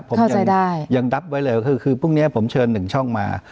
เข้าใจได้ยังดับไว้เลยคือคือพรุ่งเนี้ยผมเชิญหนึ่งช่องมา